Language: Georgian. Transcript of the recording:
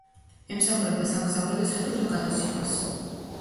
ემსახურება სამგზავრო და სატვირთო გადაზიდვას.